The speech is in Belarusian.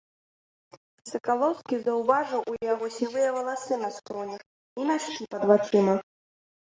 Сакалоўскі заўважыў у яго сівыя валасы на скронях і мяшкі пад вачыма.